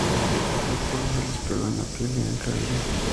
El polvo se les pegó en la piel y en el cabello.